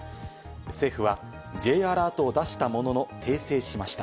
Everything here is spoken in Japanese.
政府はＪアラートを出したものの訂正しました。